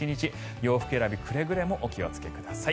洋服選びくれぐれもお気をつけください。